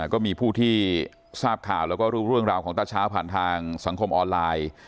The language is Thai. ก็มีผู้ที่ทราบข่าวแล้วก็รู้เรื่องราวของตาเช้าผ่านทางสังคมออนไลน์